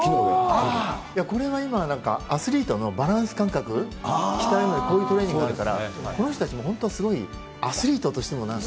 今、アスリートのバランス感覚鍛えるのに、こういうトレーニングあるから、本当、すごいアスリートとしても、なんか。